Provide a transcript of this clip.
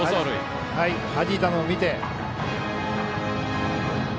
はじいたのを見て。